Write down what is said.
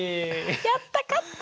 やった勝った！